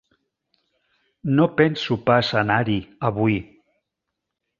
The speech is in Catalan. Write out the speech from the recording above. No penso pas anar-hi, avui.